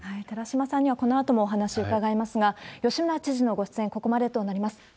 寺嶋さんにはこのあともお話伺いますが、吉村知事のご出演、ここまでとなります。